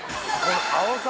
あおさ